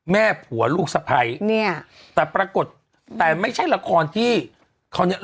แม่ผัวลูกสะพ้ายเนี่ยแต่ปรากฏแต่ไม่ใช่ละครที่เขาเนี้ย